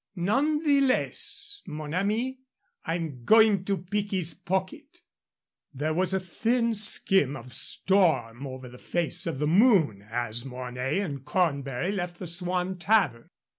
"None the less, mon ami, I'm going to pick his pocket!" There was a thin skim of storm over the face of the moon as Mornay and Cornbury left the Swan Tavern.